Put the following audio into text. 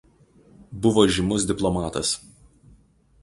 Buvo žymus diplomatas.